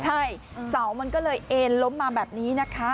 ใช่เสามันก็เลยเอ็นล้มมาแบบนี้นะคะ